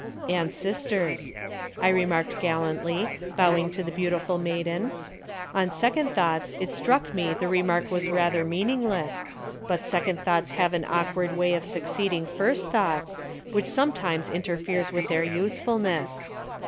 "And sisters." I remarked gallantly, bowing to the beautiful maiden. On second thoughts it struck me the remark was rather meaningless, but second thoughts have an awkward way of succeeding first thoughts, which sometimes interferes with their usefulness.